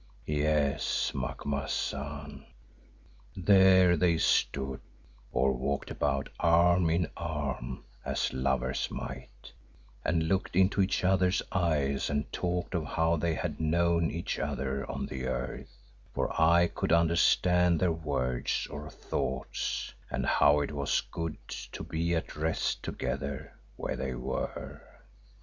Yes, Macumazahn, there they stood, or walked about arm in arm as lovers might, and looked into each other's eyes and talked of how they had known each other on the earth, for I could understand their words or thoughts, and how it was good to be at rest together where they were."